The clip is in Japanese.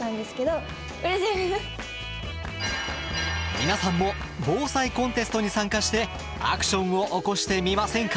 皆さんも防災コンテストに参加してアクションを起こしてみませんか？